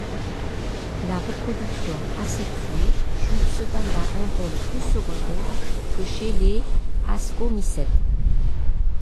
La reproduction asexuée joue cependant un rôle plus secondaire que chez les Ascomycètes.